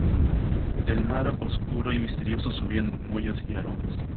del mar oscuro y misterioso subían murmullos y aromas: